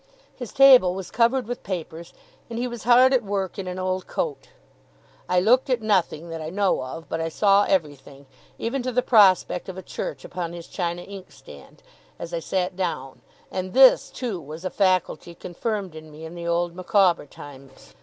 His table was covered with papers, and he was hard at work in an old coat. I looked at nothing, that I know of, but I saw everything, even to the prospect of a church upon his china inkstand, as I sat down and this, too, was a faculty confirmed in me in the old Micawber times.